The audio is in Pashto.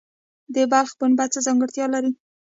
د بلخ پنبه څه ځانګړتیا لري؟